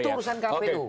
itu urusan kpu